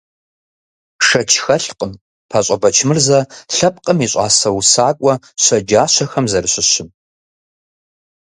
Шэч хэлъкъым ПащӀэ Бэчмырзэ лъэпкъым и щӀасэ усакӀуэ щэджащэхэм зэращыщым.